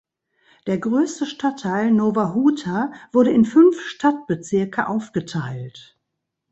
Der größte Stadtteil Nowa Huta wurde in fünf Stadtbezirke aufgeteilt.